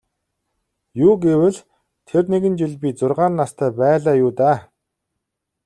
Юу гэвэл тэр нэгэн жил би зургаан настай байлаа юу даа.